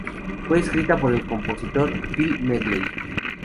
Fue escrita por el compositor Phil Medley.